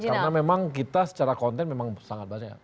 karena memang kita secara konten memang sangat banyak